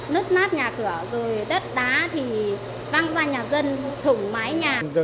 nứt nát nhà cửa đất đá văng ra nhà dân thủng mái nhà